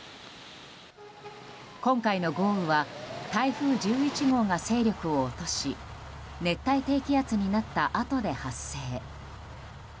今回の豪雨は台風１１号が勢力を落とし熱帯低気圧になったあとで発生。